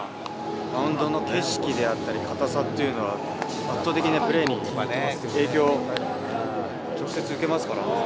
マウンドの景色であったり、硬さっていうのは、圧倒的にプレーに影響、直接受けますからね。